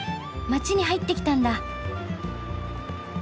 街に入ってきたんだ。